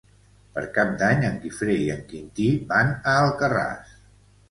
Per Cap d'Any en Guifré i en Quintí van a Alcarràs.